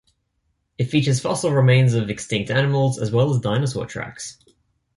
It features fossil remains of extinct animals, as well as dinosaur tracks.